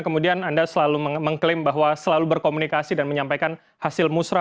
kemudian anda selalu mengklaim bahwa selalu berkomunikasi dan menyampaikan hasil musrah